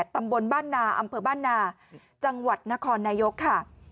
ตำบลบ้านนาอำเภอบ้านนาจังหวัดนครนายกค่ะ